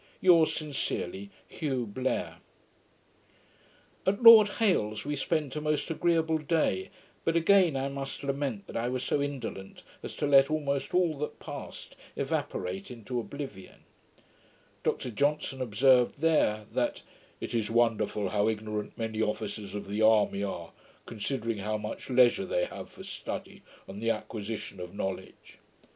Yours sincerely, HUGH BLAIR. At Lord Hailes's, we spent a most agreeable day; but again I must lament that I was so indolent as to let almost all that passed evaporate into oblivion. Dr Johnson observed there, that 'it is wonderful how ignorant many officers of the army are, considering how much leisure they have for study, and the acquisition of knowledge.'